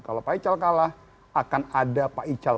kalau pak ical kalah akan ada pak ical